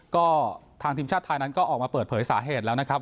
ก็ทางทีมชาติไทยนั้นก็ออกมาเปิดเผยสาเหตุแล้วนะครับ